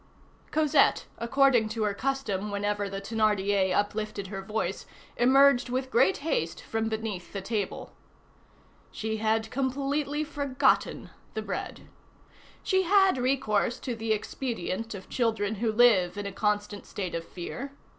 Cosette, according to her custom whenever the Thénardier uplifted her voice, emerged with great haste from beneath the table. She had completely forgotten the bread. She had recourse to the expedient of children who live in a constant state of fear.